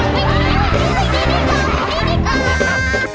ไม่ไงไม่ไงไม่กลับไม่ได้กลับ